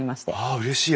あうれしい！